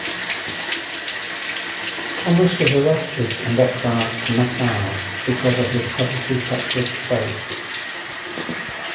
Thomas was arrested and exiled to Macau because of his publicly practiced faith.